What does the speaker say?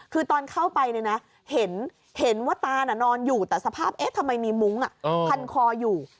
คือตอนเข้าไปเนี่ยนะเห็นว่าตาน่ะนอนอยู่แต่สภาพเอ๊ะทำไมมีมุ้งพันคออยู่